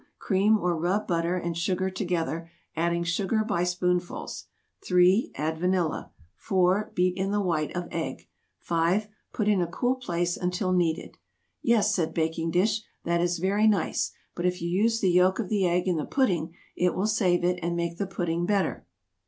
"Cream" or rub butter and sugar together, adding sugar by spoonfuls. 3. Add vanilla. 4. Beat in the white of egg. 5. Put in a cool place until needed. [Illustration: To save a yolk.] "Yes," said Baking Dish, "that is very nice; but if you use the yolk of the egg in the pudding, it will save it, and make the pudding better."